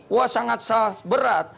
wah sangat berat